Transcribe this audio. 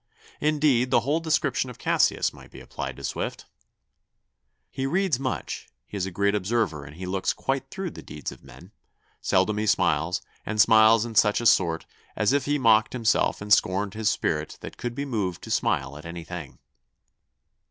Indeed the whole description of Cassius might be applied to Swift: 'He reads much; He is a great observer and he looks Quite through the deeds of men; ... Seldom he smiles, and smiles in such a sort, As if he mock'd himself and scorn'd his spirit That could be moved to smile at any thing.